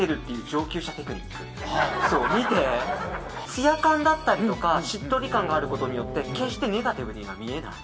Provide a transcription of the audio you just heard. つや感だったりしっとり感があることによって決してネガティブには見えない。